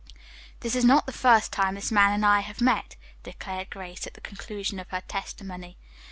"This is not the first time this man and I have met," declared Grace at the conclusion of her testimony.